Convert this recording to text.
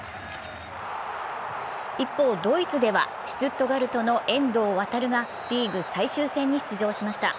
一方、ドイツではシュツットガルトの遠藤航がリーグ最終戦に出場しました。